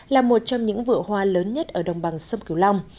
là một trong những vựa hoa lớn nhất ở đồng bằng sông cửu long